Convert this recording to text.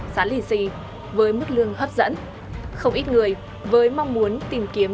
giá lì xì với mức lương hấp dẫn không ít người với mong muốn tìm kiếm